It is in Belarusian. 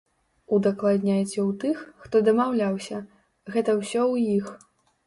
Удакладняйце ў тых, хто дамаўляўся, гэта ўсё ў іх.